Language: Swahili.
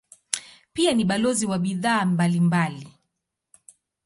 Pia ni balozi wa bidhaa mbalimbali.